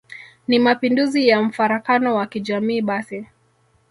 ni Mapinduzi ya mfarakano wa kijamii basi